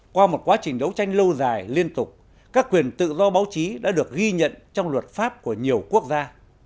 qua một quá trình đấu tranh lâu dài liên tục các quyền tự do báo chí đã được ghi nhận trong luật pháp của nhiều quốc gia